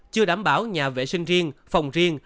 chưa đảm bảo nhà vệ sinh riêng phòng riêng